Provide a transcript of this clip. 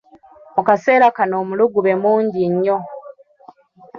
Mu kaseera kano omulugube mungi nnyo.